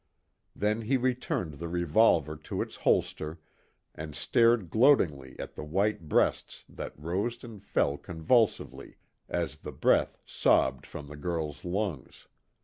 Then he returned the revolver to its holster and stared gloatingly at the white breasts that rose and fell convulsively, as the breath sobbed from the girl's lungs.